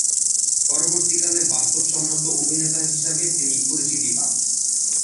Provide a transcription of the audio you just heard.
পরবর্তী কালে বাস্তবসম্মত অভিনেতা হিসাবে তিনি পরিচিতি পান।